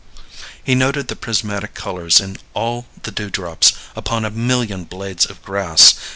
He noted the prismatic colors in all the dewdrops upon a million blades of grass.